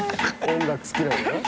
音楽好きなんだね。